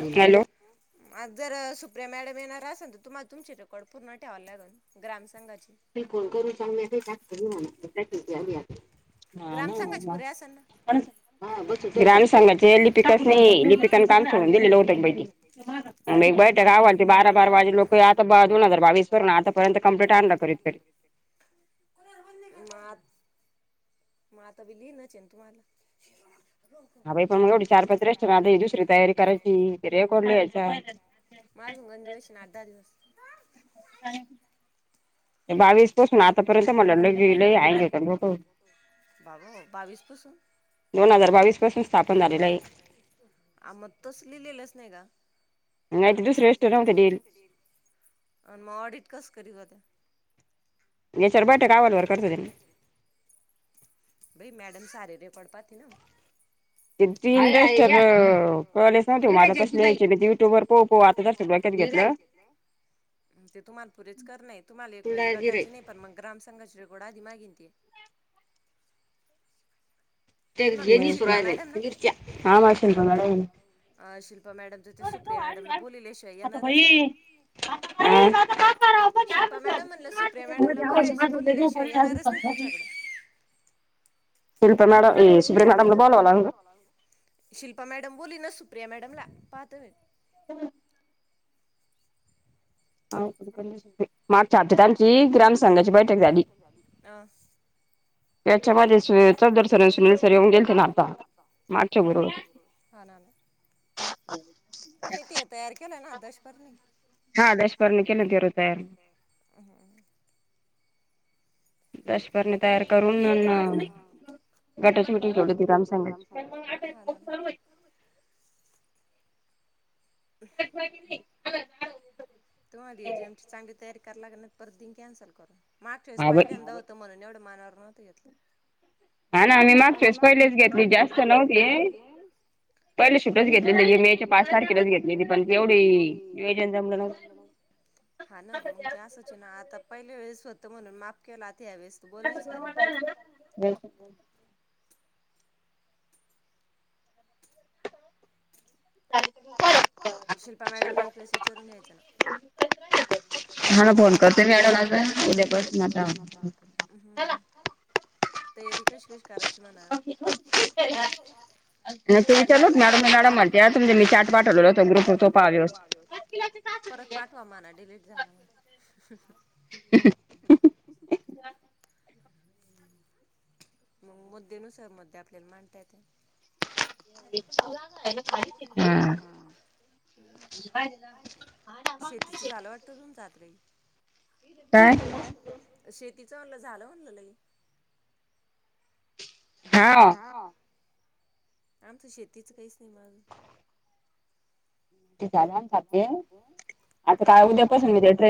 Hello हम्म आज जर सूप त्या मॅडम येणार अस सांगतो तुम्हांला तुमची रेकॉर्ड पूर्ण ठेवला नाही अजून ग्राम ते फोन करून सांगण्यात ते त्यात आल्या. हां अनुषंगाचे लिपिकच नाही लिपिकेन काम सोडून दिलेलं होतं [unintelligible] बैठक आवरतय बारा बारा वाजे पर्यंत लोक आता दोन हजार बावीस वरण आतापर्यंत कंप्लीट आणल करीत. म आता म आता बिल येईल ना चेन तुमला [unintelligible] आणि बावीस पासन आतापर्यंत म लाही आहे बावीस तस. आ मग तस लिहिलेलंच नाही का आणि मग ऑडिट कसं करीत होता. बाई मॅडम सारे रेकॉर्ड पाह. [inaudible] [unintelligible] वच गटाचे नाही पण, मग ग्राम संघाची रेकॉर्ड आधी मागीन. ते तेय ह आता शिल्पा मॅडम बोली ना. सुप्रिया मॅडमला पात ह वे हम्म. [unintelligible] [unintelligible] तुम्ही ते तयार केलंय ना दशपराणी ह. दश परणी करणे तयार करून गटाची मिटिंग ठेवली त ग्रामसघाची [unintelligible] [unintelligible] तुम्हा जेमची चांगली तयारी करा लागनात परत दिन कॅन्सल करून मागच्या वेळेस पहिल्यांदा होतं म्हणून एवढं. मनावर नव्हत घेतलं. हा ना मी मागच्या वेळेस पहिलेच घेतली जास्त नव्हती पहिले शूटच घेतलेली मे च्या पाच तारखेलाच घेतलेली पण तेवढी नियोजन जमलं नव्हत. हा ना मग आसचेना आता पहिल्या वेळेस स्वत म्हणून माप केला आ - - त्यावेस तू बोलणेस का नाही? शिल्पा मॅडमला एक वेळेस विचारून घ्यायचं. [unintelligible] हा ना फोन करते मॅडमला उद्या पसन आता. हम्. तयारी कशी कशी करायची म्हणा? आणि तू विचारलू मॅडम म मॅडम म्हणत्यात तु - - ते आसूदे मी चाट पाठवलेलो ग्रुपवर तो पाहा व्यवस्थित परत पाठवा मणा डिलीट झाला म - - [unintelligible] मग मद्देनुसार मद्दे आपल्याला मांडता येतात. [unintelligible] हं. काय? शेत तिचं म्हणलं झालं म्हणलं लयी. हा. आमचं शेतीच काहीच नाही मग अजुन - - आता काय हाय उद्यापासुन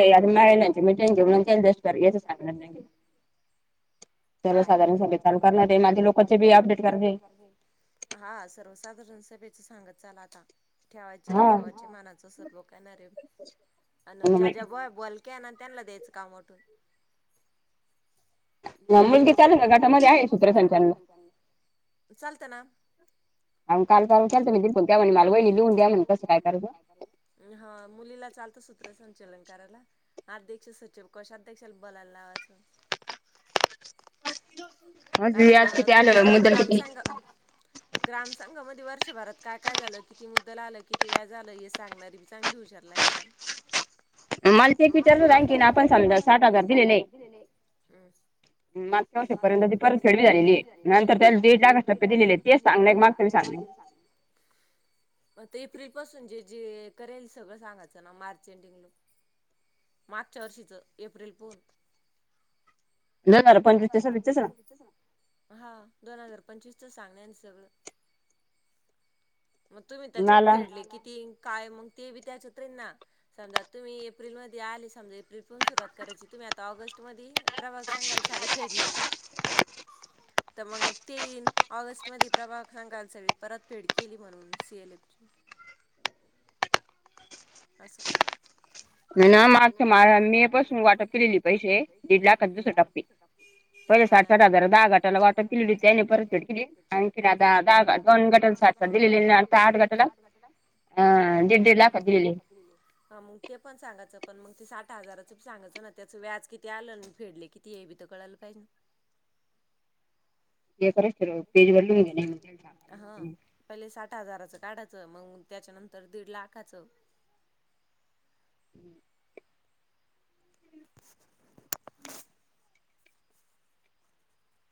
मिटींग घेऊ चेंजेस कर असं सांगणार हाय सर्वधारण सभेत लोक अपडे हा सर्वसाधारण सभेत - - सांगत चल आता. ठेवायचे ठेवायचे. मानाच सरलोकारे अन ज्या ज्या बाॅय बॉल - - त्यांना त्यानला द्यायचं काम वाटून - - म्हणजे त्या गटामध्ये आहे सूत्रसंचालन. चालतं ना. चालेल चालेलं. [unintelligible] हा मुलीला चालत सूत्रसंचालन करायला. अध्यक्ष सचिव कशा अध्यक्षाला बलाला लावायचं. कारण तुमच ग्रामसंग ग्रामसंघामध्ये वर्ष दिवसभरात काय काय झालं किती मुद्दल आलं किती व्याज आलं हे सांगणारी बी चांगली हुशार लागती. मला खेती करल आण कीन आपण समजा साठ हजार दिलेले. य परत सेडवी झालेली नंतर त्या जाग्यासाठी दीलेले तेसांग मागच सांग म ते - - एप्रिल पासून जे जे करेल सगळं सांगायचं ना मार्च एंडिंगला मागच्या वर्षीच एप्रिल पहून जणार पंचवीस ते सव्वीस [unintelligible] हां. दोन हजार पंचवीसचं सांगण्या आणि सगळं मग तुम्ही त्याच्यात फेडले किती? काय म ते बी त्याच उतरीन ना समजा तुम्ही एप्रिलमध्ये आले समज एप्रिल सुरुवात करायची तुम्ही आता ऑगस्ट मधी प्र सांगाले सारे फेडले. तर मग तेईन ऑगस्ट मध्ये प्रभाांगाल सगळी परतफेड केली म्हणून सीएलएफ असं [inaudible] पण मग ते साठ हजाराच सांगायचं ना, त्याचं व्याज किती आलं फेडले किती आहे बी त कळायला पाहिज ना. हा पहिले सात आठ हजाराचं काढायचं मग त्याच्यानंतर दीड लाखाचं [inaudible]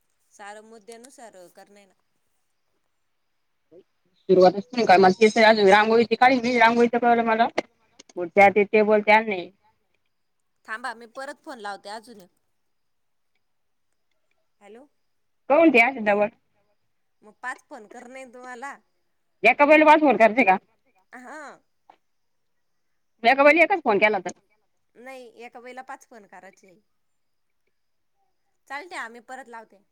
[unintelligible] [inaudible] थांबा मी परत फोन लावतो. त्या जुन्या हॅलो मग पाच पण करणे. [unintelligible] हा हा नाही एका वेळेला पाच फोन करायचं. चालते आम्ही परत लावते.